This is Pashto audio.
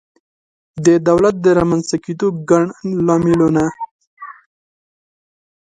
د دولت د رامنځته کېدو ګڼ لاملونه